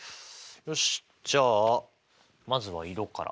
よしじゃあまずは色から。